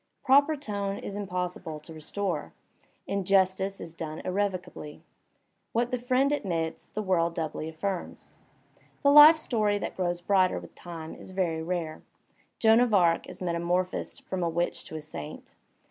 Proper tone is impossible to restore. Injustice is done irrevocably. What the friend admits the world doubly affirms. The life story that grows brighter with time is very rare. Joan of Arc is metamorphosed from a witch to a saint.